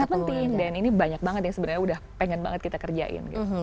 sangat penting dan ini banyak banget yang sebenarnya udah pengen banget kita kerjain gitu